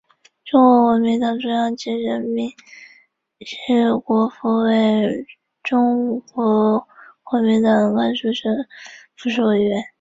中国国民党中央即任命延国符为中国国民党甘肃省党部筹备委员。